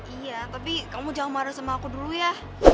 iya tapi kamu jangan marah sama aku dulu ya